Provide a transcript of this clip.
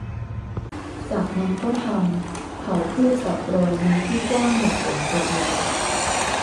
จากนั้นก็ทำ เขาพูดกับรอยยิ้มที่กว้างอย่างหลงตัวเอง